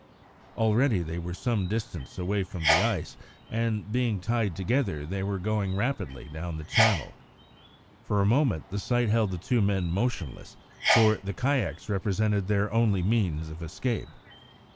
Already they were some distance away from the ice, and, being tied together, they were going rapidly down the channel. For a moment the sight held the two men motionless, for the kayaks represented their only means of escape.